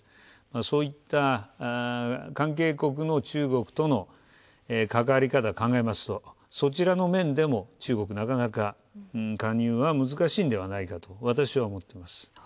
そういった関係国の中国との関わり方を考えますとそちらの面でも中国、なかなか加入は難しいんではないかと私は思っています。